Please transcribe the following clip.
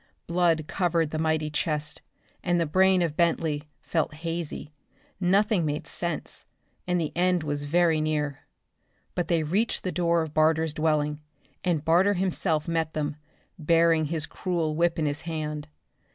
Blood covered the mighty chest, and the brain of Bentley felt hazy; nothing made sense; and the end was very near. But they reached the door of Barter's dwelling, and Barter himself met them, bearing his cruel whip in his hand.